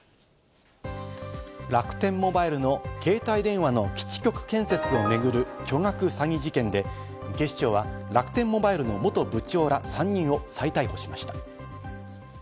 楽天モバイルの携帯電話の基地局建設をめぐる巨額詐欺事件で、警視庁は楽天モバイルの元部長ら３人を再逮捕しました。